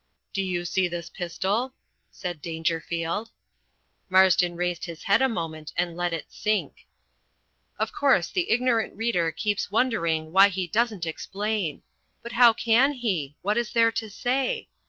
"Do you see this pistol?" said Dangerfield. Marsden raised his head a moment and let it sink. Of course the ignorant reader keeps wondering why he doesn't explain. But how can he? What is there to say?